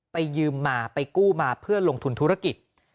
ยืมมาไปกู้มาเพื่อลงทุนธุรกิจ